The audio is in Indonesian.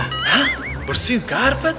hah bersihin karpet